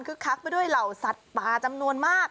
คักไปด้วยเหล่าสัตว์ป่าจำนวนมาก